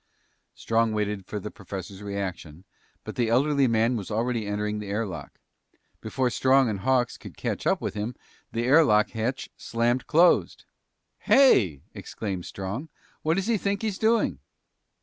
Strong waited for the professor's reaction, but the elderly man was already entering the air lock. Before Strong and Hawks could catch up to him, the air lock hatch slammed closed. "Hey," exclaimed Strong, "what does he think he's doing?"